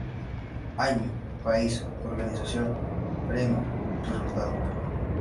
Año|| País|| Organización ||Premio||Resultado